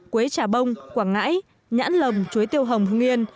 quế trà bông quảng ngãi nhãn lầm chuối tiêu hồng hương yên